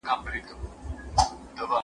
زه به سبا شګه پاکوم!؟